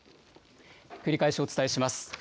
繰り返しお伝えします。